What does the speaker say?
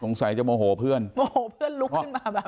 สงสัยจะโมโหเพื่อนโมโหเพื่อนลุกขึ้นมาแบบ